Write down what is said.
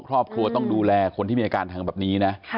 ครอบครัวต้องดูแลคนที่มีอาการทางแบบนี้นะ